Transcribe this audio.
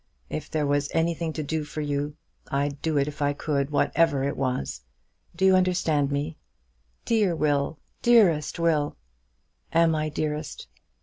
If there was anything to do for you, I'd do it if I could, whatever it was. Do you understand me?" "Dear Will! Dearest Will!" "Am I dearest?"